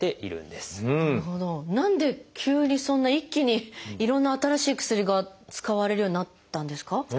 何で急にそんな一気にいろんな新しい薬が使われるようになったんですか？